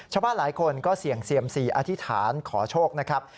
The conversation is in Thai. ชาวบ้านหลายคนก็เสี่ยงเซียมซีอธิษฐานขอโชคนะครับ